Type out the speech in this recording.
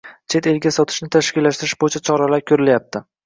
chet elga sotishni tashkillashtirish bo‘yicha choralar ko‘rilyapti.